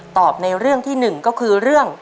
ตอบในเรื่องที่๑ก็คือเรื่อง